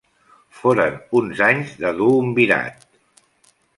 Foren uns anys de duumvirat.